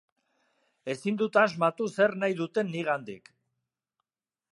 Ezin dut asmatu zer nahi duten nigandik.